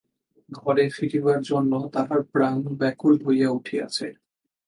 ঘরে ফিরিবার জন্য তাহার প্রাণ ব্যাকুল হইয়া উঠিয়াছে।